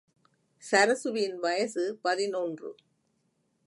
சரசுவின் வயசு பதினொன்று.